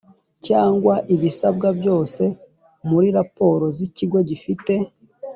cyangwa ibisabwa byose muri raporo z ikigo gifite